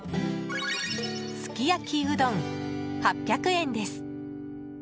すき焼きうどん、８００円です。